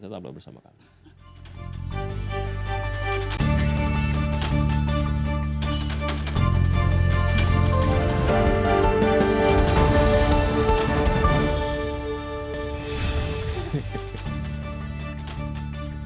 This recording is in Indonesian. tetap bersama kami